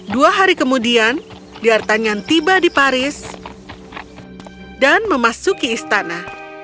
dua hari kemudian diartanyan tiba di paris dan memasuki istana